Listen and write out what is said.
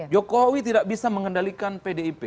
jokowi tidak bisa mengendalikan pdip